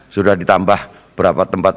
sudah ditambah berapa tempat